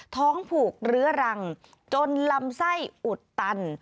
ผูกเรื้อรังจนลำไส้อุดตัน